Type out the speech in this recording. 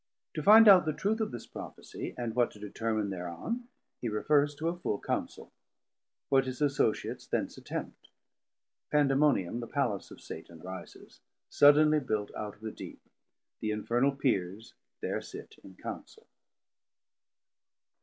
To find out the truth of this Prophesie, and what to determin thereon he refers to a full councell. What his Associates thence attempt. Pandemonium the palace of Satan rises, suddenly built out of the Deep: The infernal Peers there sit in Counsel.